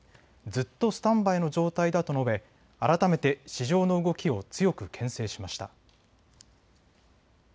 ずっとスタンバイの状態だと述べ改めて市場の動きを強くけん制しました。